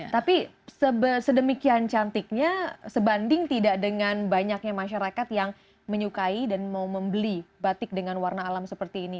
tapi sedemikian cantiknya sebanding tidak dengan banyaknya masyarakat yang menyukai dan mau membeli batik dengan warna alam seperti ini